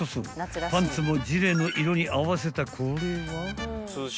［パンツもジレの色に合わせたこれは］